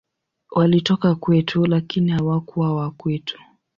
Walitoka kwetu, lakini hawakuwa wa kwetu.